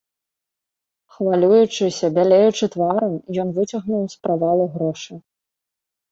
Хвалюючыся, бялеючы тварам, ён выцягнуў з правалу грошы.